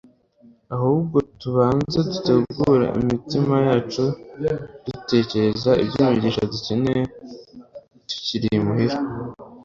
ahubwo tubanze gutegura imitima yacu dutekereza iby'imigisha dukeneye tukiri imuhira